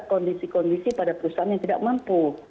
kondisi kondisi pada perusahaan yang tidak mampu